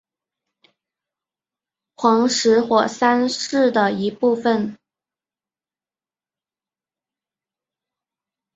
黄石火山是的一部分。